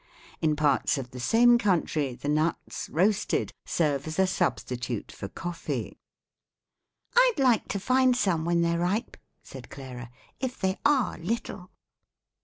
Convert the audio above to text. In parts of the same country the nuts, roasted, serve as a substitute for coffee." "I'd like to find some when they're ripe," said Clara, "if they are little."